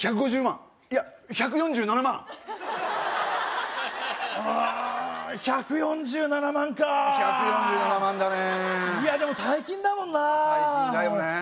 いや１４７万ああ１４７万か１４７万だねいやでも大金だもんな大金だよね